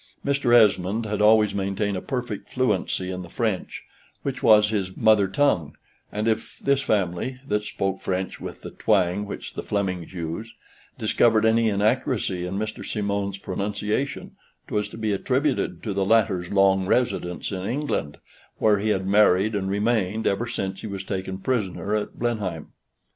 Mr. Esmond had always maintained a perfect fluency in the French, which was his mother tongue; and if this family (that spoke French with the twang which the Flemings use) discovered any inaccuracy in Mr. Simon's pronunciation, 'twas to be attributed to the latter's long residence in England, where he had married and remained ever since he was taken prisoner at Blenheim.